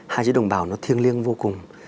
hai chữ đồng bào nó thiêng liêng vô cùng